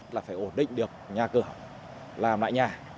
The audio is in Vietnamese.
là phải ổn định được nhà cửa làm lại nhà